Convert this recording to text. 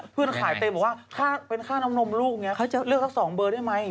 เพื่อนขายเต็มว่าเป็นข้าน้ำนมลูกเลือกเขาสองเบอร์ด้วยไหม